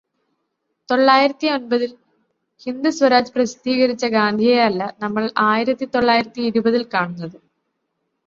തൊള്ളായിരത്തിയൊമ്പതിൽ ഹിന്ദ് സ്വരാജ് പ്രസിദ്ധീകരിച്ച ഗാന്ധിയെ അല്ല നമ്മള് ആയിരത്തി തൊള്ളായിരത്തി ഇരുപതില് കാണുന്നത്.